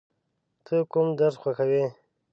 ته کوم درس خوښوې؟